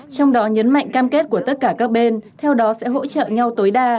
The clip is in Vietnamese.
trong đó nhấn mạnh cam kết của tất cả các bên theo đó sẽ hỗ trợ nhau tối đa